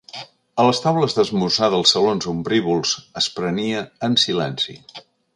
A les taules d'esmorzar dels salons ombrívols es prenia en silenci.